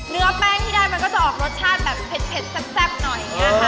เนื้อแป้งที่ได้มันก็จะออกรสชาติแบบเผ็ดแซ่บหน่อยอย่างนี้ค่ะ